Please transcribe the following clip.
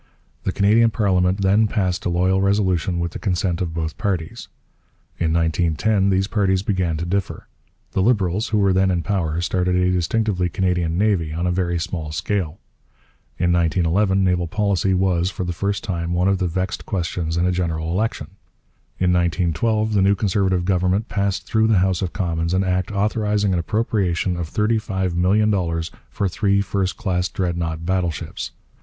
The Canadian parliament then passed a loyal resolution with the consent of both parties. In 1910 these parties began to differ. The Liberals, who were then in power, started a distinctively Canadian navy on a very small scale. In 1911 naval policy was, for the first time, one of the vexed questions in a general election. In 1912 the new Conservative government passed through the House of Commons an act authorizing an appropriation of thirty five million dollars for three first class Dreadnought battleships.